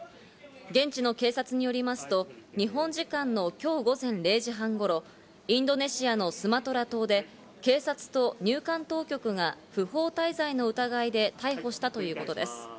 現地の警察によりますと、日本時間の今日午前０時半頃、インドネシアのスマトラ島で、警察と入管当局が不法滞在の疑いで逮捕したということです。